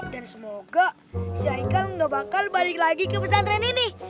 dan semoga si haikal gak bakal balik lagi ke pesantren ini